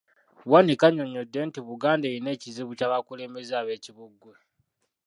Bwanika annyonnyodde nti Buganda erina ekizibu ky’abakulembeze abeekibogwe.